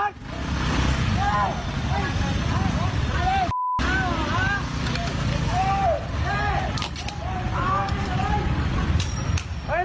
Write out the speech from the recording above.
ดันเข้าไปเลย